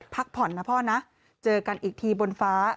พักผ่อนนะพ่อนะเจอกันอีกทีบนฟ้า